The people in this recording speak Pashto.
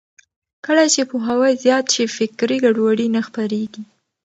کله چې پوهاوی زیات شي، فکري ګډوډي نه خپرېږي.